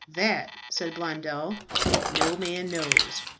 "That," said Blondel, "no man knows.